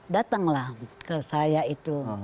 datanglah ke saya itu